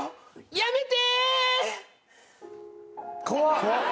やめて！